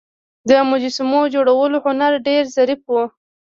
د مجسمو جوړولو هنر ډیر ظریف و